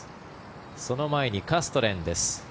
その前にカストレンです。